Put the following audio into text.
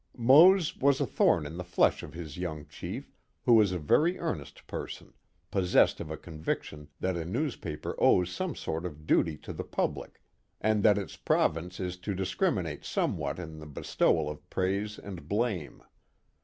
Mose was a thorn in the flesh of his young chief, who was a very earnest person, possessed of a conviction that a newspaper owes some sort of duty to the public, and that its province is to discriminate somewhat in the bestowal of praise and blame.